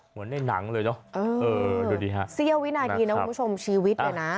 เหมือนในหนังเลยเนอะเออดูดิฮะเสี้ยววินาทีนะคุณผู้ชมชีวิตเนี่ยนะ